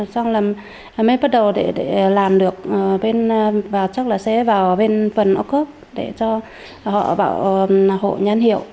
xong là mới bắt đầu để làm được và chắc là sẽ vào bên phần ốc ớp để cho họ bảo hộ nhân hiệu